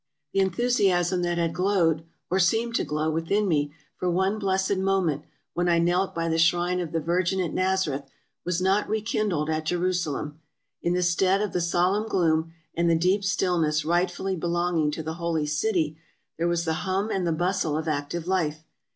The enthusiasm that had glowed, or seemed to glow, within me, for one blessed moment, when I knelt by the shrine of the Virgin at Nazareth, was not rekindled at Jeru salem. In the stead of the solemn gloom and the deep stillness rightfully belonging to the Holy City, there was the hum and the bustle of active life.